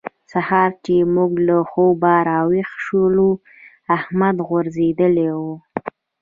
سهار چې موږ له خوبه راويښ شولو؛ احمد غورځېدلی وو.